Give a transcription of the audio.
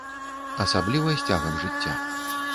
Асабліва з цягам жыцця.